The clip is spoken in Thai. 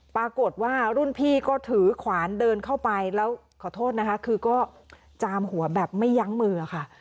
ปรากฏว่ารุ่นพี่ก็ถือขวานเดินเข้าไปแล้วขอโทษนะคะคือก็จามหัวแบบไม่ยั้งมือค่ะ